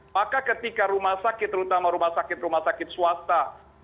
maka ketika rumah sakit terutama rumah sakit rumah sakit swasta